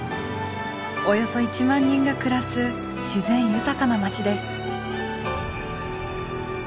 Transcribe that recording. およそ１万人が暮らす自然豊かな町です。